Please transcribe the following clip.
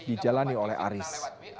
dijalani oleh aris